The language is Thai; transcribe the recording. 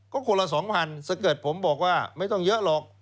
ก็คนละ๒๐๐๐ถ้าเกิดผมบอกว่าไม่ต้องเยอะหรอก